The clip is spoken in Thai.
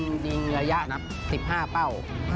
ก็ยิงระยะ๑๕เป้า